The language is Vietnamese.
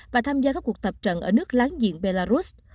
và tham gia các cuộc tập trận ở nước láng diện belarus